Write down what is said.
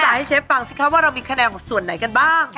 ให้เชฟฟังสิคะว่าเรามีคะแนนของส่วนไหนกันบ้าง